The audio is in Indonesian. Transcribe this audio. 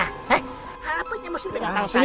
he apa aja maksudnya dengan tangan saya